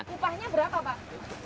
upahnya berapa pak